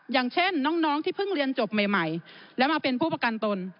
อย่างเช่นน้องที่เพิ่งเรียนจบใหม่แล้วมาเป็นผู้ประกันตน